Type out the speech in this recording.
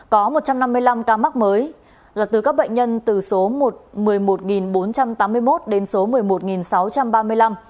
có một trăm năm mươi năm ca mắc mới là từ các bệnh nhân từ số một mươi một bốn trăm tám mươi một đến số một mươi một sáu trăm ba mươi năm